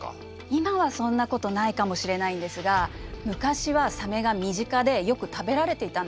今はそんなことないかもしれないんですが昔はサメが身近でよく食べられていたんです。